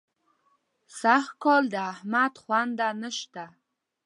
سږکال د احمد خونده نه شته.